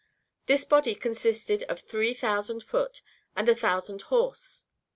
This body consisted of three thousand foot, and a thousand horse.